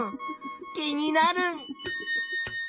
気になる。